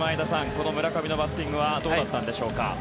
この村上のバッティングはどうだったんでしょうか。